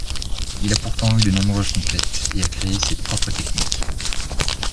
Il a pourtant eu de nombreuses conquêtes et a créé ses propres techniques.